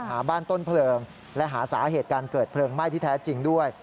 หาบ้านต้นเพลิงและหาสาเหตุการเกิดเพลิงไหม้ที่แท้จริงด้วย